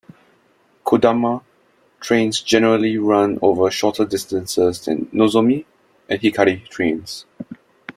"Kodama" trains generally run over shorter distances than "Nozomi" and "Hikari" trains.